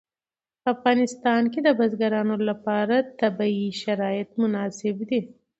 په افغانستان کې د بزګانو لپاره طبیعي شرایط مناسب دي.